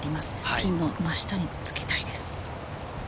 ピンの真下につけたいです。